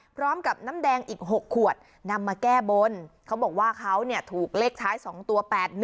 พร้อมกับน้ำแดงอีก๖ขวดนำมาแก้บนเขาบอกว่าเขาเนี่ยถูกเลขท้าย๒ตัว๘๑